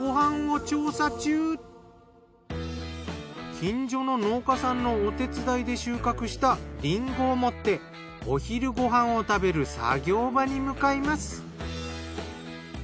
近所の農家さんのお手伝いで収穫したリンゴを持ってお昼ご飯を食べる作業場に向かいます。